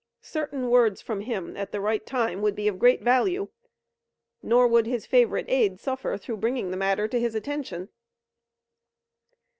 Certain words from him at the right time would be of great value, nor would his favorite aide suffer through bringing the matter to his attention."